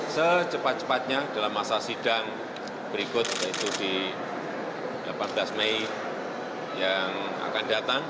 secepat cepatnya dalam masa sidang berikut yaitu di delapan belas mei yang akan datang